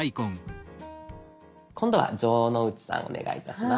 今度は城之内さんお願いいたします。